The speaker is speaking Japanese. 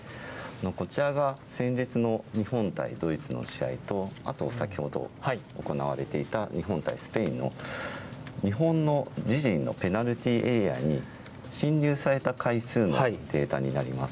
こちらが先日の日本対ドイツの試合と、あと先ほど行われていた日本対スペインの、日本の自陣のペナルティーエリアに進入された回数のデータになります。